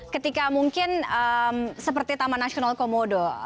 ketika mungkin seperti taman nasional komodo